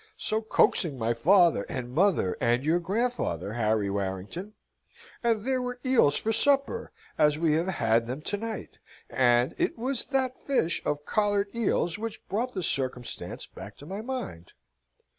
so coaxing my father, and mother, and your grandfather, Harry Warrington; and there were eels for supper, as we have had them to night, and it was that dish of collared eels which brought the circumstance back to my mind.